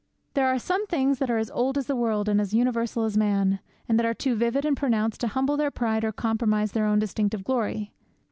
There are some things that are as old as the world, and as universal as man, and that are too vivid and pronounced to humble their pride or compromise their own distinctive glory.